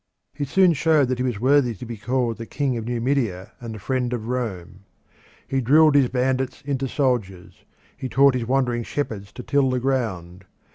He soon showed that he was worthy to be called the King of Numidia and the Friend of Rome. He drilled his bandits into soldiers; he taught his wandering shepherds to till the ground.